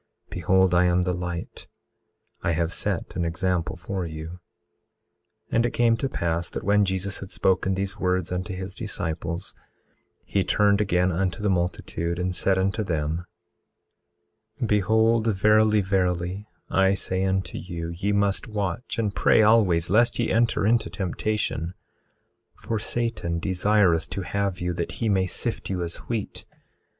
Behold I am the light; I have set an example for you. 18:17 And it came to pass that when Jesus had spoken these words unto his disciples, he turned again unto the multitude and said unto them: 18:18 Behold, verily, verily, I say unto you, ye must watch and pray always lest ye enter into temptation; for Satan desireth to have you, that he may sift you as wheat.